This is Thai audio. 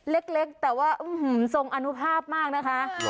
เล็กแต่ว่าทรงอนุภาพมากนะคะ